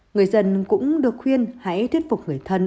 người dân cũng được khuyên hãy thuyết phục người thân